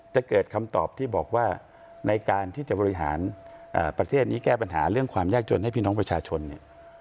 จะเกิดคำตอบที่บอกว่าในการที่จะบริหารประเทศนี้แก้ปัญหาเรื่องความยากจนให้พี่น้องประชาชนเนี่ย